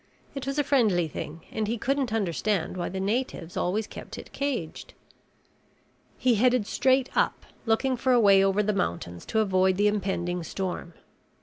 It was a friendly thing and he couldn't understand why the natives always kept it caged. He headed straight up, looking for a way over the mountains to avoid the impending storm.